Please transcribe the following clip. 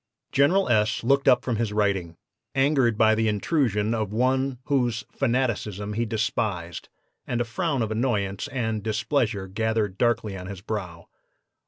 "General S. looked up from his writing, angered by the intrusion of one whose 'fanaticism' he despised, and a frown of annoyance and displeasure gathered darkly on his brow.